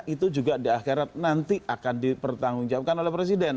itu juga di akhirat nanti akan dipertanggungjawabkan oleh presiden